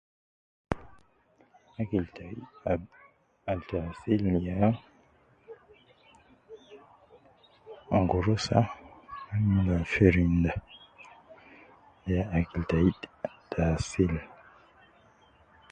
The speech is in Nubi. Akili ee ab ta asil tayi ya gurusa ma firinda ya akil tayi